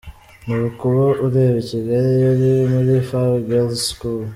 Ni uku uba ureba Kigali iyo uri muri Fawe Girls School.